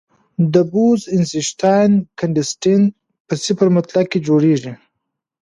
د بوز-اینشټاین کنډنسیټ په صفر مطلق کې جوړېږي.